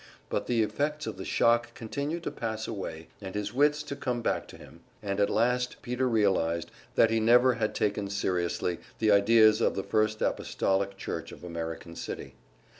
But the effects of the shock continued to pass away, and his wits to come back to him, and at last Peter realized that he never had taken seriously the ideas of the First Apostolic Church of American City.